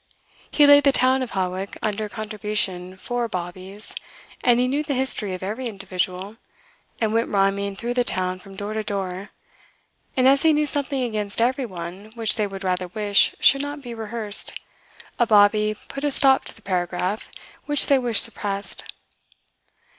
He laid the town of Hawick under contribution for bawbees, and he knew the history of every individual, and went rhyming through the town from door to door; and as he knew something against every one which they would rather wish should not be rehearsed, a bawbee put a stop to the paragraph which they wished suppressed.